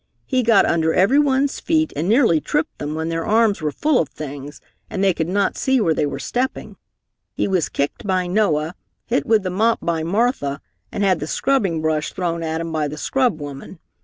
He got under everyone's feet and nearly tripped them when their arms were full of things and they could not see where they were stepping. He was kicked by Noah, hit with the mop by Martha and had the scrubbing brush thrown at him by the scrub woman.